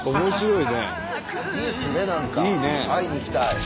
いいっすね何か会いにいきたい。